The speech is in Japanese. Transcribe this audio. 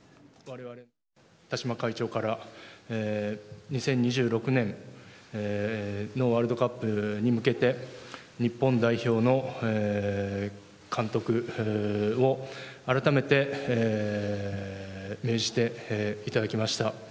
田嶋会長から２０２６年のワールドカップに向けて日本代表の監督をあらためて命じていただきました。